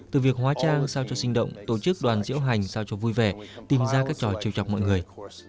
từ việc hóa trang sao cho sinh động tổ chức đoàn diễu hành sao cho vui vẻ tìm ra các trò chiều chọc mọi người